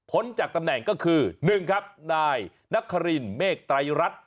จากตำแหน่งก็คือ๑ครับนายนครินเมฆไตรรัฐ